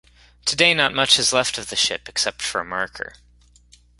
Today not much is left of the ship except for a marker.